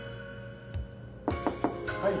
・はい。